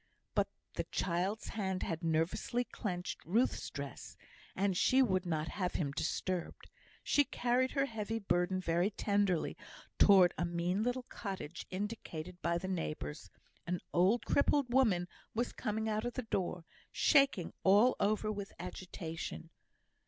But the child's hand had nervously clenched Ruth's dress, and she would not have him disturbed. She carried her heavy burden very tenderly towards a mean little cottage indicated by the neighbours; an old crippled woman was coming out of the door, shaking all over with agitation.